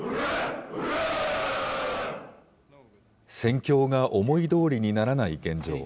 戦況が思いどおりにならない現状。